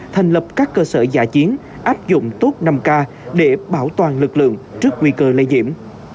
thành lập các cơ sở giả chiến áp dụng tốt năm k để bảo toàn lực lượng trước nguy cơ lây nhiễm